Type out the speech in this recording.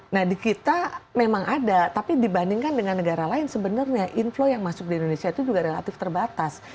nah di kita memang ada tapi dibandingkan dengan negara lain sebenarnya inflow yang masuk di indonesia itu juga relatif terbatas